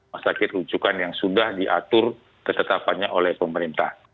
masyarakat rujukan yang sudah diatur ketetapannya oleh pemerintah